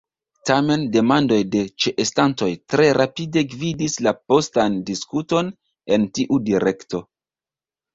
Tamen demandoj de ĉeestantoj tre rapide gvidis la postan diskuton en tiu direkto.